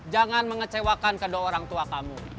jangan mengecewakan kedua orang tua kamu